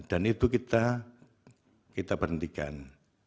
dan itu kita kita berhentikan